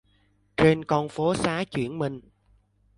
Trên con phố xá chuyển mình